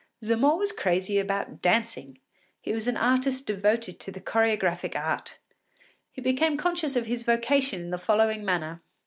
Zamore was crazy about dancing. He was an artist devoted to the choregraphic art. He became conscious of his vocation in the following manner.